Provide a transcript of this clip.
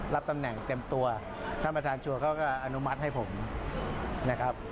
รับตำแหน่งเต็มตัวท่านประธานชัวร์เขาก็อนุมัติให้ผมนะครับ